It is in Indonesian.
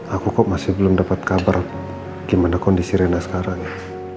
aku kok masih belum dapat kabar gimana kondisi renda sekarang ya